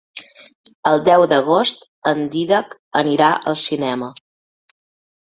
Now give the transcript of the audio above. El deu d'agost en Dídac anirà al cinema.